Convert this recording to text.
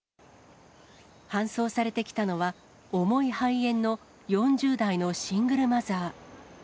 搬送されてきたのは、重い肺炎の４０代のシングルマザー。